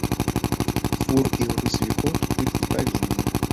Фур і грузавікоў тут быць не павінна.